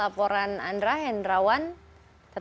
laporan andra hendrawan tetap berhati hati